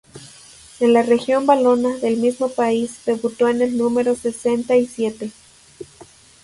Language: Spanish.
En la región Valona del mismo país debutó en el número sesenta y siete.